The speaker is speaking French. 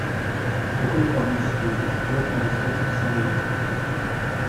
Il compte parmi ses étudiants Alexandre de Saint-Léger.